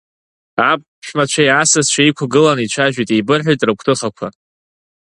Аԥшәмацәеи асасцәеи иқәгыланы ицәажәеит, еибырҳәеит рыгәҭыхақәа.